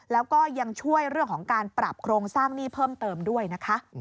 แล้วก็ยังช่วยเรื่องของการปรับโครงสร้างหนี้เพิ่มเติมด้วยนะคะ